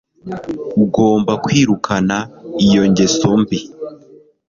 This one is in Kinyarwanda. ugomba kwirukana iyo ngeso mbi